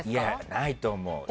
ないと思う。